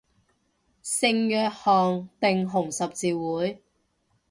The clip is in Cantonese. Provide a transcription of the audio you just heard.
聖約翰定紅十字會